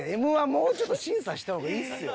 １もうちょっと審査した方がいいですよ。